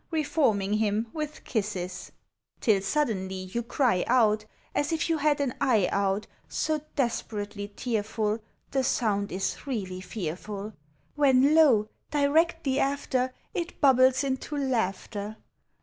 Reforming him with kisses; 1 ABOUT CHILDREN. 35 Till suddenly you cry out, As if you had an eye out, So desperately tearful, The sound is really fearful; When lo ! directly after, It bubbles into laughter.